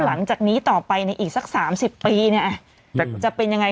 หลังจากนี้ต่อไปในอีกสัก๓๐ปีเนี่ยจะเป็นยังไง